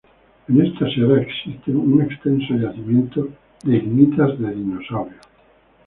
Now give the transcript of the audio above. En esta sierra existe un extenso yacimiento de icnitas de dinosaurios.